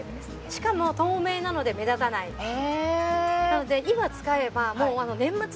しかも透明なので目立たないへえ